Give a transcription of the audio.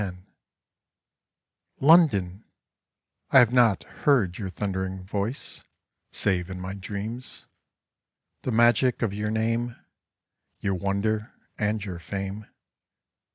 T ONDONI I have not heard your thundering ■^^ voice, Save in my dreams. The magic of your name, Your wonder and your fame.